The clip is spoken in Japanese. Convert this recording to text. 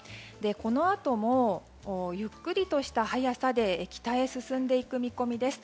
このあともゆっくりとした速さで北に進んでいく見込みです。